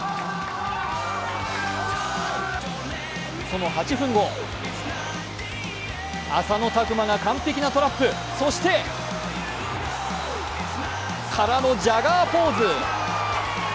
その８分後、浅野拓磨が完璧なトラップそしてからの、ジャガーポーズ。